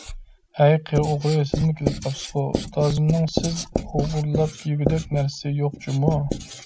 ھەي قېرى ئوغرى، سىزمۇ كېلىپ قاپسىزغۇ؟ ئۇستازىمنىڭ سىز ئوغرىلاپ يېگۈدەك نەرسىسى يوق جۇمۇ!